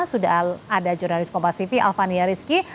sudah ada jurnalis kompasivi alvan yariski